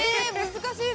難しいな。